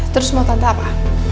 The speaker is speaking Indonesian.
terus mau tante apa